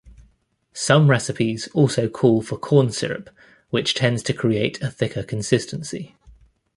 Some recipes also call for corn syrup, which tends to create a thicker consistency.